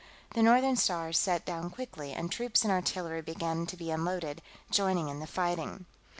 The Northern Star set down quickly, and troops and artillery began to be unloaded, joining in the fighting.